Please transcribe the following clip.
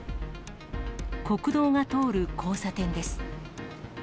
国道が通る交差点です。